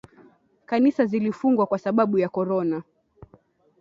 Kanisa zilifungwa kwa sababu ya Corona.